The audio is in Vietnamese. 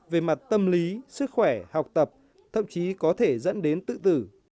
về mặt tâm lý sức khỏe học tập thậm chí có thể dẫn đến tự tử